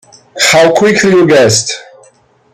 How quickly you guessed!